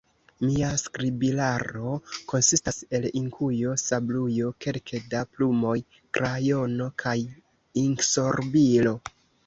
Mia skribilaro konsistas el inkujo, sablujo, kelke da plumoj, krajono kaj inksorbilo.